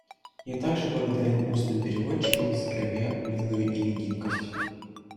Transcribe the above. Я также благодарен устным переводчикам за проявленную ими гибкость.